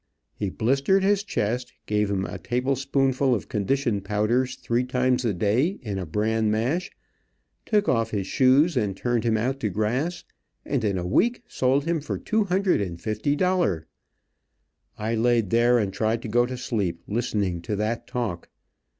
He blistered his chest, gave him a table spoonful of condition powders three times a day in a bran mash, took off his shoes and turned him out to grass, and in a week he sold him for two hundred and fifty dollar. I laid there and tried to go to sleep listening to that talk.